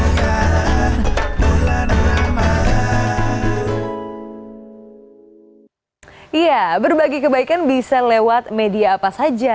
iya berbagi kebaikan bisa lewat media apa saja